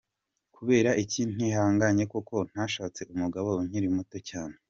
Kubera iki ntihanganye koko ?? Nashatse umugabo nkiri muto cyane.